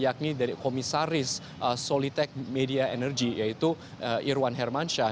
yakni dari komisaris solitek media energy yaitu irwan hermansyah